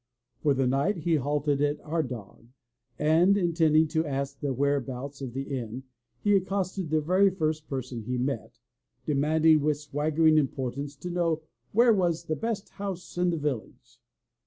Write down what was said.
For the night he halted at Ardagh, and, intending to ask the whereabouts of the inn, he accosted the very first per son he met, demanding with swaggering importance to know where was the best house in the village."